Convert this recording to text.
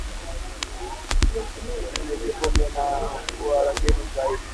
Ini kuvimba na kuwa laini zaidi